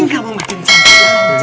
kamu makin cantik